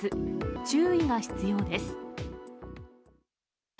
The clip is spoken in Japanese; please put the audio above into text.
注意が必要です。